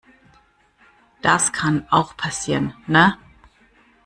Das kann auch passieren, ne?